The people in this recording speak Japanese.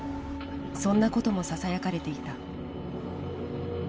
そんなこともささやかれていた。